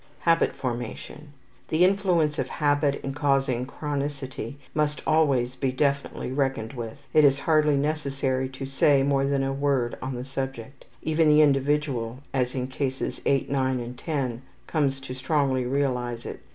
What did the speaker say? Habit Formation. The influence of habit in causing chronicity must always be definitely reckoned with. It is hardly necessary to say more than a word on this subject. Even the individual, as in Cases 8, 9, and 10, comes to strongly realize it.